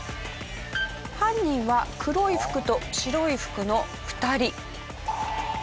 犯人は黒い服と白い服の２人。